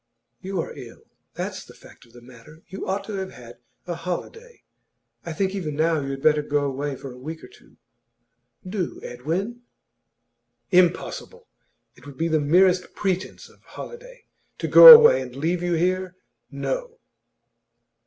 'You are ill, that's the fact of the matter. You ought to have had a holiday. I think even now you had better go away for a week or two. Do, Edwin!' 'Impossible! It would be the merest pretence of holiday. To go away and leave you here no!